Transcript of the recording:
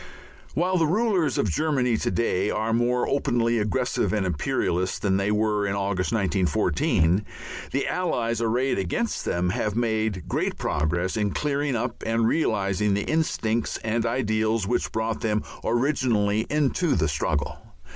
While the rulers of Germany to day are more openly aggressive and imperialist than they were in August, 1914, the Allies arrayed against them have made great progress in clearing up and realizing the instincts and ideals which brought them originally into the struggle.